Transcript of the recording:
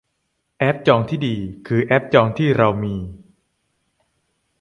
แอปจองที่ดีคือแอปจองที่เรามี